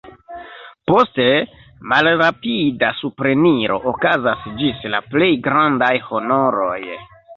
Poste, malrapida supreniro okazas ĝis la plej grandaj honoroj.